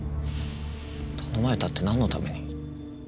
頼まれたって何のために？